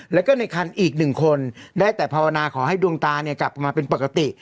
แล้วก็ในคันอีกหนึ่งคนได้แต่ภาวนาขอให้ดวงตาเนี่ยกลับมาเป็นปกติ